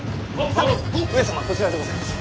さあ上様こちらでございます。